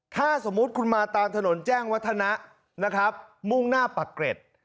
ถ้าสมมุติคุณมาตามถนนแจ้งวัฒนะนะครับมุ่งหน้าปากเกร็ด